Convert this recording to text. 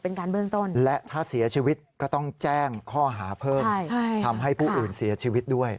เป็นการเบลื้อต้นและถ้าเสียชีวิตก็ต้องแจ้งข้อหาเพิ่มใช่